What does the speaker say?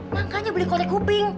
makanya beli korek kuping